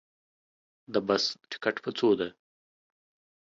د بس ټکټ په څو ده